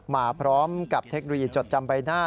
มาพร้อมกับเทคโนโลยีจดจำใบหน้า